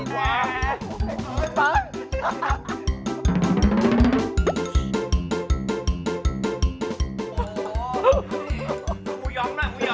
หมูหย้อมนะหมูหย้อม